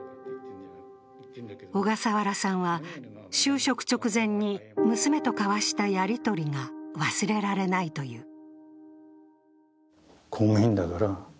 小笠原さんは就職直前に娘と交わしたやり取りが忘れられないという。